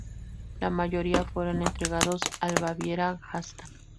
La mayoría fueron entregados al Baviera Jasta.